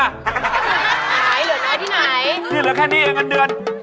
อันนี้เหลือแค่นี้งั้นเดือน